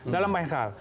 dalam banyak hal